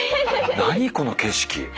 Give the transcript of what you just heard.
何この景色。